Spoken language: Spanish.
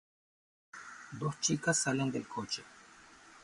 Dos chicas salen del coche.